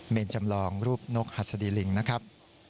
จำลองรูปนกหัสดีลิงนะครับ